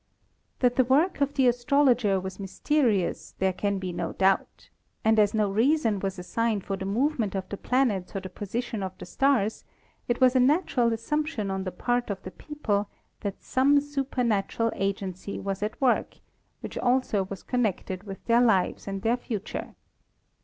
That the work of the astrologer was mysterious there can be no doubt, and as no reason was assigned for the movement of the planets or the position of the stars, it was a natural assumption on the part of the people that some supernatural agency was at work, which also was con nected with their lives and their future.